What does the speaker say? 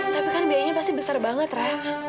tapi kan biayanya pasti besar banget ya